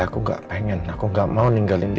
aku gak pengen